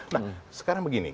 nah sekarang begini